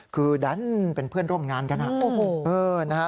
คือดันเป็นเพื่อนร่วมงานกัน